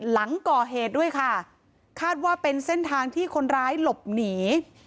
หลังก่อเหตุด้วยค่ะคาดว่าเป็นเส้นทางที่คนร้ายหลบหนี